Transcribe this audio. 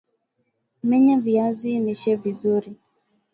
menya viazi lishe vizuri